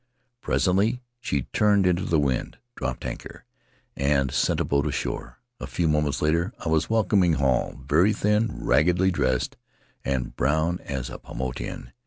Presently she turned into the wind, dropped anchor, and sent a boat ashore — a few moments later I was welcoming Hall — very thin, raggedly dressed, and brown as a Paumotuan.